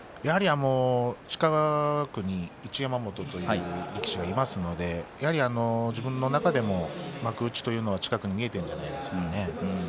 近くに一山本という力士がいますので自分の中でも幕内は近くに見えているんじゃないでしょうかね。